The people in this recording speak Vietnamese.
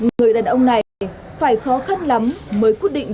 người đàn ông này phải khó khăn lắm mới quyết định